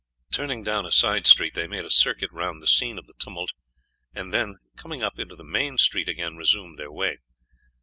Turning down a side street they made a circuit round the scene of the tumult, and then coming up into the main street again resumed their way.